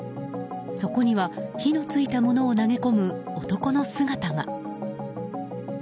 そこには火のついたものを投げ込む男の姿が。